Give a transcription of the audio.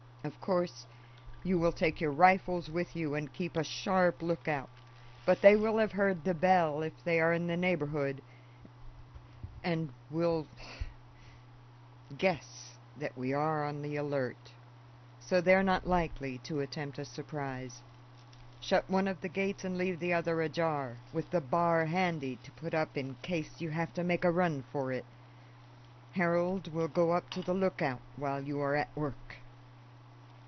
Of course you will take your rifles with you and keep a sharp lookout; but they will have heard the bell, if they are in the neighborhood, and will guess that we are on the alert, so they are not likely to attempt a surprise. Shut one of the gates and leave the other ajar, with the bar handy to put up in case you have to make a run for it. Harold will go up to the lookout while you are at work."